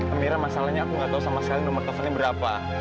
gembira masalahnya aku nggak tahu sama sekali nomor teleponnya berapa